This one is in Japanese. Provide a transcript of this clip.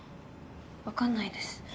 分かんないです。